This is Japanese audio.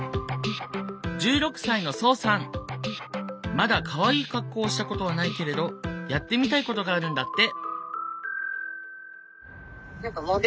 まだかわいい格好をしたことはないけれどやってみたいことがあるんだって。